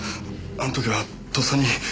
あの時はとっさに。